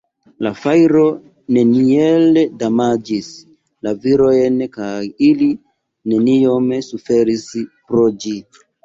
La fajro neniel damaĝis la virojn kaj ili neniom suferis pro ĝi.